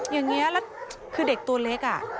อย่างนี้แล้วคือเด็กตัวเล็ก